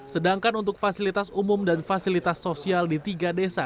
sedangkan untuk fasilitas umum dan fasilitas sosial di tiga desa